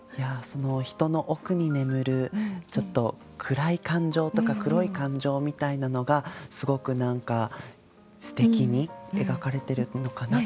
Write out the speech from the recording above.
人の奥に眠るちょっと暗い感情とか黒い感情みたいなのがすごくすてきに描かれてるのかなって。